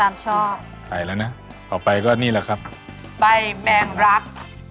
ชอบใส่แล้วนะต่อไปก็นี่แหละครับใบแมงรัก